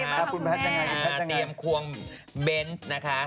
ขอบคุณแพทย์ยังไงขอบคุณแพทย์ยังไงต้องเตรียมควมเบนท์นะคะ